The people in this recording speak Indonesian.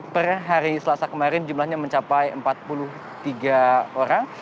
per hari selasa kemarin jumlahnya mencapai empat puluh tiga orang